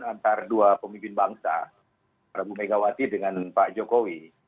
antara dua pemimpin bangsa pak bumegawati dengan pak jokowi